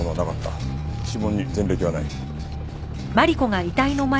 指紋に前歴はない。